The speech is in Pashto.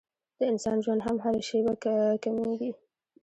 د انسان ژوند هم هره شېبه کمېږي.